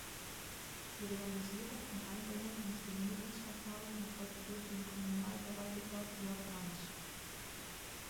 Die Realisierung und Einbringung ins Genehmigungsverfahren erfolgte durch den Kommunalheraldiker Jörg Mantzsch.